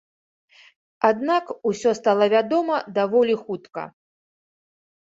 Аднак усё стала вядома даволі хутка.